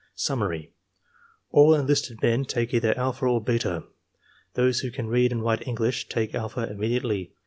Summary. — ^AU enlisted men take either alpha or beta. Those who can read and write English, take alpha immediately.